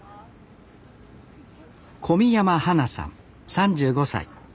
小宮山花さん３５歳。